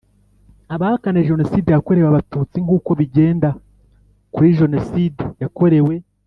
abahakana Jenoside yakorewe Abatutsi nkuko bigenda kuri Jenoside yakorewe